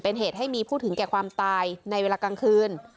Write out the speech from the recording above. เป็นเหตุให้มีผู้ถึงแก่ความตายในเวลากลางคืน